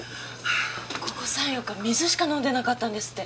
ここ３４日水しか飲んでなかったんですって。